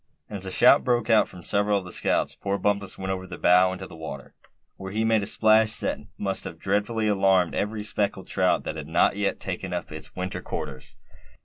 And as a shout broke out from several of the scouts, poor Bumpus went over the bow into the water; where he made a splash that must have dreadfully alarmed every speckled trout that had not yet taken up its winter quarters.